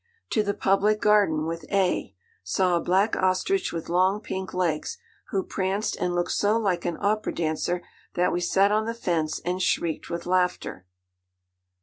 'To the Public Garden with A.; saw a black ostrich with long pink legs, who pranced and looked so like an opera dancer that we sat on the fence and shrieked with laughter.